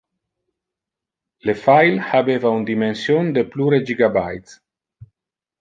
Le file habeva un dimension de plure gigabytes.